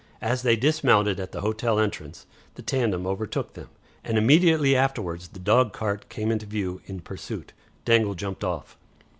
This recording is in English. As they dismounted at the hotel entrance, the tandem overtook them, and immediately afterwards the dogcart came into view in pursuit. Dangle jumped off.